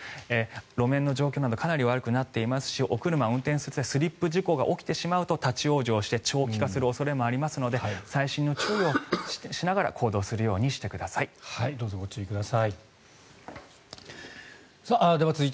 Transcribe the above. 路面の状況などかなり悪くなっていますしお車運転する際スリップ事故が起きてしまうと、立ち往生して長期化する恐れもありますので細心の注意をしながら行動するようにしてください。